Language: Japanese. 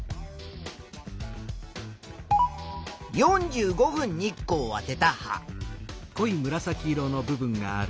４５分日光をあてた葉。